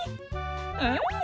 うん。